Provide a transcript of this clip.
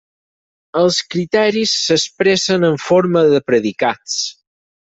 Els criteris s'expressen en forma de predicats.